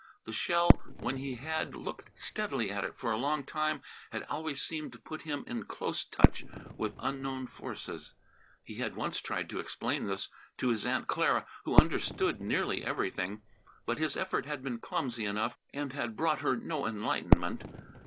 The shell, when he had looked steadily at it for a long time, had always seemed to put him in close touch with unknown forces. He had once tried to explain this to his Aunt Clara, who understood nearly everything, but his effort had been clumsy enough and had brought her no enlightenment.